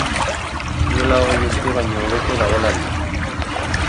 Duela hogei urte baino hobeto dagoela dio.